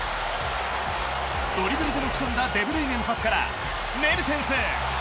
ドリブルで持ち込んだデブルイネのパスからメルテンス。